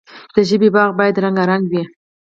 د ژبې باغ باید رنګارنګ وي.